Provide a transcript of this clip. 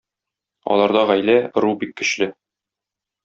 Аларда гаилә, ыру бик көчле.